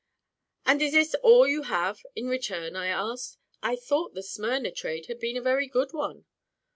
"And is this all you have in return?" I asked. "I thought the Smyrna trade had been a very good one."